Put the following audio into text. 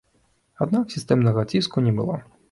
Аднак сістэмнага ціску не было.